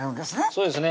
そうですね